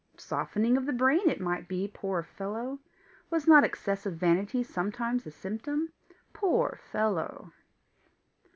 Softening of the brain it might be, poor fellow! Was not excessive vanity sometimes a symptom? Poor fellow!